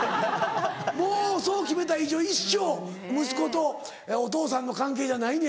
もうそう決めた以上一生息子とお父さんの関係じゃないねやろ？